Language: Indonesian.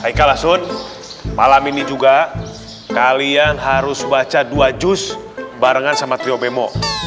haika lasun malam ini juga kalian harus baca dua jus barengan sama trio bemo